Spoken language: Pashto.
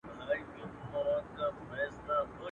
هم د بابا، هم د نیکه، حماسې هېري سولې.